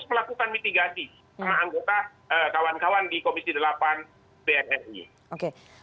oke oke semakin tertundanya keberangkatan para jemaah haji tentunya menyebabkan antrian yang menumpuk begitu pak